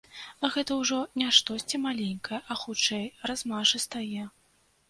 Гэта ўжо не штосьці маленькае, а хутчэй размашыстае.